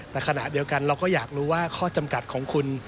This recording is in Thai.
แต่ขณะเดียวกันเราก็อยากรู้ว่าข้อจำกัดของคุณ